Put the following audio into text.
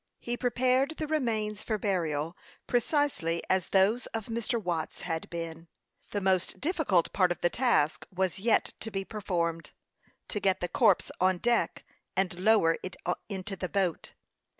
He prepared the remains for burial precisely as those of Mr. Watts had been. The most difficult part of the task was yet to be performed to get the corpse on deck, and lower it into the boat.